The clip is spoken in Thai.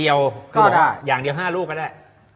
อย่างเดียว๕ลูกก็ได้